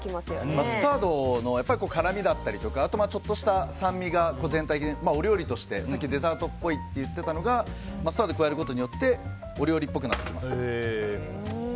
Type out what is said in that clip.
マスタードの辛みだったりあとちょっとした酸味が全体的にお料理としてさっきのデザートっぽいと言っていたのがマスタードを加えることによってお料理っぽくなってきます。